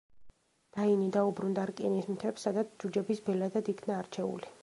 დაინი დაუბრუნდა რკინის მთებს, სადაც ჯუჯების ბელადად იქნა არჩეული.